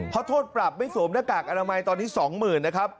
เพราะโทษปรับไม่สวมหน้ากากอนามัยตอนนี้๒๐๐๐นะครับ